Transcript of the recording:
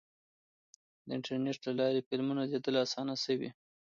د انټرنیټ له لارې فلمونه لیدل اسانه شوي.